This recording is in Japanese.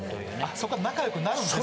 そっから仲良くなるんですね。